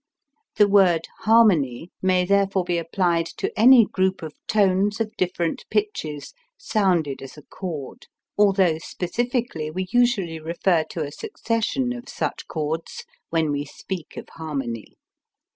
The word harmony may therefore be applied to any group of tones of different pitches sounded as a chord, although specifically we usually refer to a succession of such chords when we speak of "harmony."